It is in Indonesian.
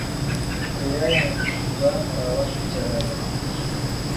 Pria yang lebih tua merawat jalanya